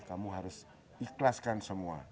kamu harus ikhlaskan semua